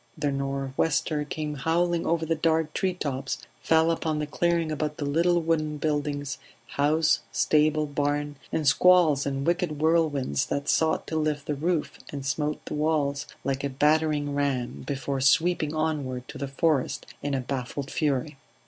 The nor'wester came howling over the dark tree tops, fell upon the clearing about the little wooden buildings house, stable, barn in' squalls and wicked whirlwinds that sought to lift the roof and smote the walls like a battering ram, before sweeping onward to the forest in a baffled fury.